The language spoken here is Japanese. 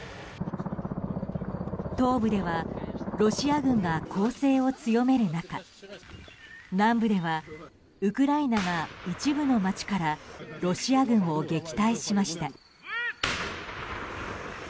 東部ではロシア軍が攻勢を強める中南部ではウクライナが一部の街からロシア軍を撃退しました。